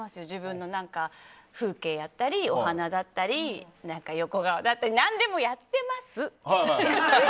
自分の、風景だったりお花だったり、横顔だったり何でもやってます！